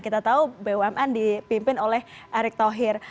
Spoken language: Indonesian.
kita tahu bumn dipimpin oleh erick thohir